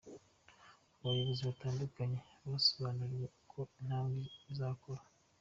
Abayobozi batandukanye basobanuriwe uko "intambwe" izakora.